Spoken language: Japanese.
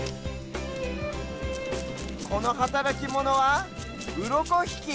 このはたらきモノは「うろこひき」。